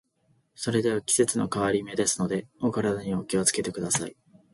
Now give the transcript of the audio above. それでは、季節の変わり目ですので、お体にはお気を付けください。